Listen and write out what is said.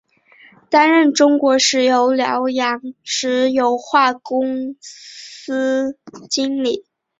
担任中国石油辽阳石油化工公司经理。